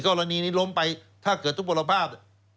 กรณีนี้ล้มไปถ้าเกิดทุกบรภาพ